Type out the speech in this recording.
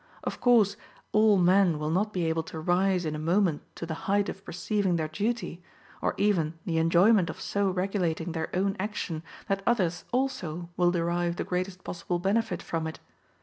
Of course, all men will not be able to rise in a moment to the height of perceiving their duty, or even the enjoyment of so regulating their own action that others also will derive the greatest possible benefit from it.